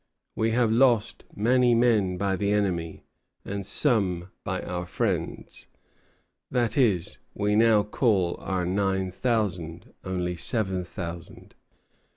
We have lost many men by the enemy, and some by our friends; that is, we now call our nine thousand only seven thousand.